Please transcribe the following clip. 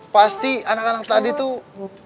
pasti anak anak study tuh